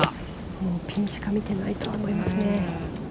もうピンしか見てないと思いますね。